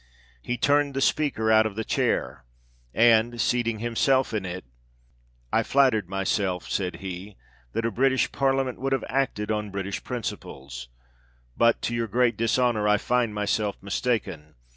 He turned the Speaker out of the chair, and, seating himself in it, " I flattered myself," said he, " that a British parliament would have acted on British principles ; but, to your great dishonour, I find myself mistaken.